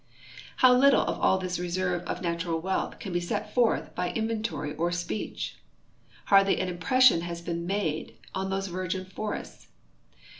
How little of all this reserve of natural wealth can be set forth by inventory or speech ! Hardly an impression has been made on these virgin forests.